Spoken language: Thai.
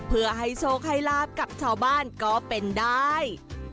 เพื่อให้โชคให้ลาบกับชาวบ้านก็เป็นได้